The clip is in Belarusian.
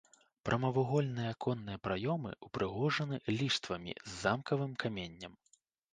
Прамавугольныя аконныя праёмы упрыгожаны ліштвамі з замкавым каменем.